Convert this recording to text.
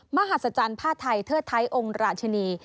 มหัศจรรย์ผ้าไทยเทิดไทยองค์ราชินี